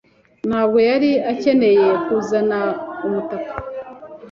Ntabwo yari akeneye kuzana umutaka.